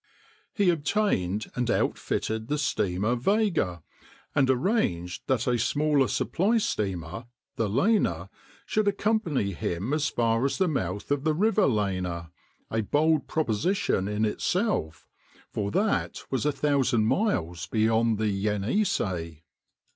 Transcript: He obtained and outfitted the steamer Vega, and arranged that a smaller supply steamer, the Lena, should accompany him as far as the mouth of the river Lena—a bold proposition in itself, for that was a thousand miles beyond the Yenisei.